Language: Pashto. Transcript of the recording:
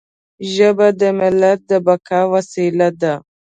ژبه د ملت د بقا وسیله ده.